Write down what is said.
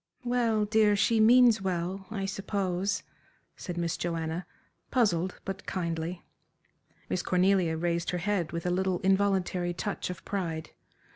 "Well, dear, she means well, I suppose," said Miss Joanna, puzzled but kindly. Miss Cornelia raised her head with a little, involuntary touch of pride.